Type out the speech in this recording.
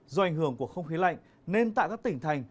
do ảnh hưởng của không khí lạnh nên tại các tỉnh thành